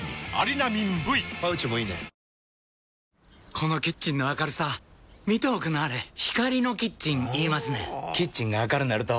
このキッチンの明るさ見ておくんなはれ光のキッチン言いますねんほぉキッチンが明るなると・・・